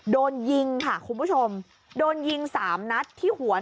โดนยิงค่ะคุณผู้ชมโดนยิงสามนัดที่หัว